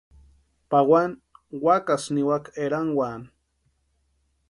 Pawani wakasï niwaka erankwaani.